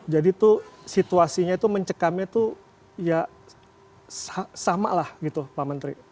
jadi situasinya itu mencekamnya itu ya sama lah pak menteri